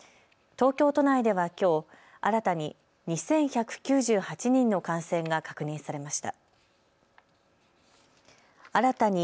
東京都内ではきょう、新たに２１９８人の感染が確認されました。